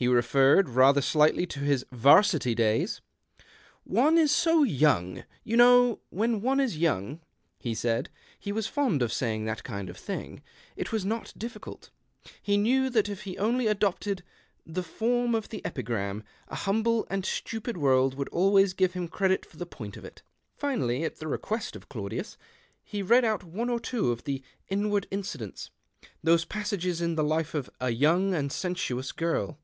He referred rather slightingly to his 'Varsity days. " One is so young, you know, when one is young," he said. He was fond of saying that kind of thing ; it was not difhcult. He knew that if he only adopted the form of the epigram, a humble and stupid world would always give him credit for the point of it. Finally, at the request of Claudius, he read out one or two of the " Inward Incidents," those passages in the life of a " young and sensuous girl."